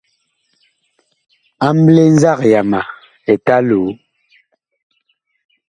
Amɓle nzag yama Eta Loo.